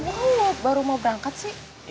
bukankah lo baru mau berangkat sih